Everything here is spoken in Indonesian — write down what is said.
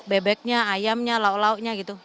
bebeknya ayamnya lauk lauknya gitu